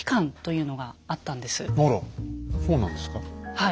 はい。